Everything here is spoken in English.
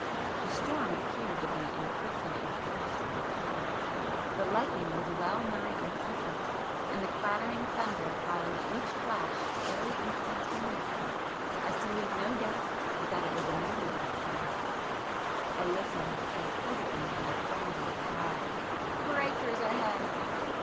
The storm appeared to be increasing in force and clamour,—the lightning was well nigh incessant, and the clattering thunder followed each flash so instantaneously as to leave no doubt but that it was immediately above us. I listened,—and presently heard a frenzied cry— "Breakers ahead!"